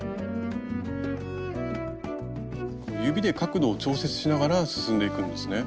指で角度を調節しながら進んでいくんですね。